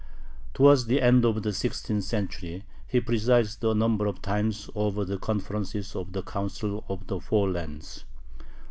Towards the end of the sixteenth century he presided a number of times over the conferences of the "Council of the Four Lands."